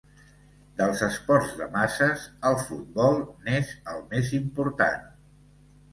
Dels esports de masses, el futbol n'és el més important.